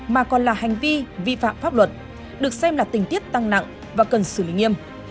mà còn là hành vi vi phạm pháp luật được xem là tình tiết tăng nặng và cần xử lý nghiêm